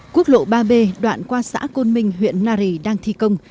quốc lộ ba b đoạn qua xã côn minh huyện nari đang thi công